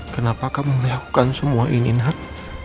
kenapa kamu melakukan semua ini nak